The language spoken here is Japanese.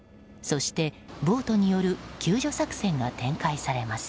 そしてボートによる救助作戦が展開されます。